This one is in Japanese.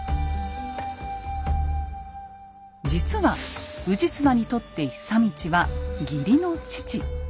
実は氏綱にとって尚通は義理の父。